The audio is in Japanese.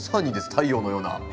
太陽のような。